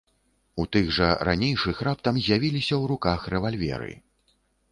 У тых жа ранейшых раптам з'явіліся ў руках рэвальверы.